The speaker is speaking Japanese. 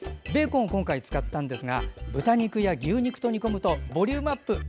ベーコンを今回使ったんですが豚肉や牛肉と煮込むとボリュームアップ